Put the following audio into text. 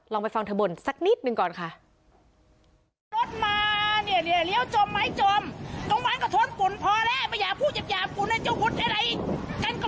ไปฟังเธอบนสักนิดหนึ่งก่อนค่ะ